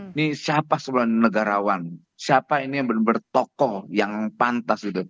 ini siapa sebenarnya negarawan siapa ini yang benar benar tokoh yang pantas gitu